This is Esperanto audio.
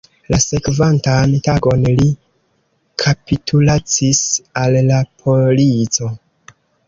La sekvantan tagon li kapitulacis al la polico.